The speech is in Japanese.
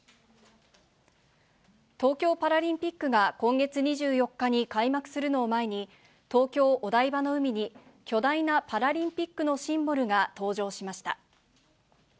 東京パラリンピックが今月２４日に開幕するのを前に、東京・お台場の海に、巨大なパラリンピックのシンボルが登場しました。